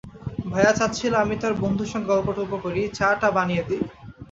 ভাইয়া চাচ্ছিল, আমি তার বন্ধুর সঙ্গে গল্প-টল্প করি, চা-টা বানিয়ে দিই।